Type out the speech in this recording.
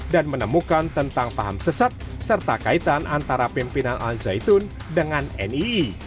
dan menemukan tentang paham sesat serta kaitan antara pimpinan al zaitun dengan nii